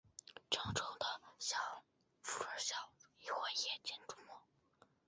成虫在拂晓或夜间出没。